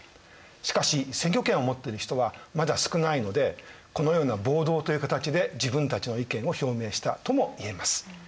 しかし選挙権を持ってる人はまだ少ないのでこのような暴動という形で自分たちの意見を表明したとも言えます。